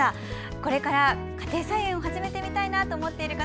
これから、家庭菜園を始めてみたいなと思っている方